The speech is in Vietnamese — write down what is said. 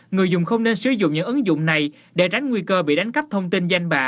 người dùng không nên sử dụng những ứng dụng này để tránh nguy cơ bị đánh cắp thông tin danh bạ